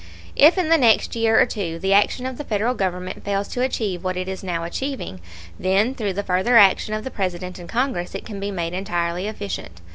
If in the next year or two the action of the Federal Government fails to achieve what it is now achieving, then through the further action of the President and Congress it can be made entirely efficient.